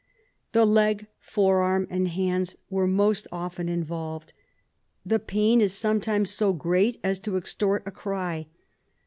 The leg, forearm, and hands are most often involved. The pain is sometimes so great as to extort a cry.